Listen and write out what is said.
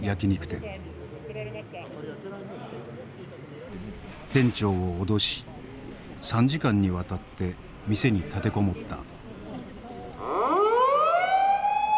店長を脅し３時間にわたって店に立てこもった。